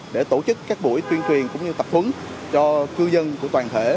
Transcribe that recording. để tổ chức các buổi tuyên truyền cũng như tập hứng cho cư dân của toàn thể